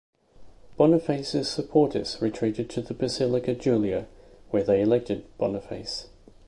Boniface's supporters retreated to the basilica Julia, where they elected Boniface.